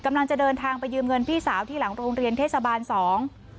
กำลังจะเดินทางไปยืมเงินพี่สาวที่หลังโรงเรียนเทศบาลสอง